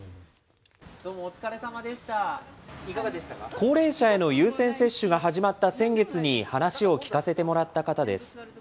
高齢者への優先接種が始まった先月に話を聞かせてもらった方です。